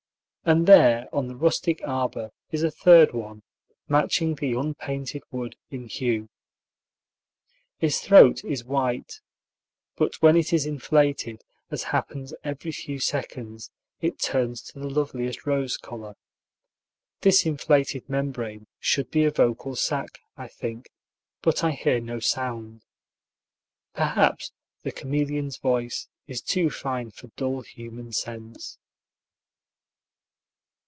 And there, on the rustic arbor, is a third one, matching the unpainted wood in hue. Its throat is white, but when it is inflated, as happens every few seconds, it turns to the loveliest rose color. This inflated membrane should be a vocal sac, I think, but I hear no sound. Perhaps the chameleon's voice is too fine for dull human sense.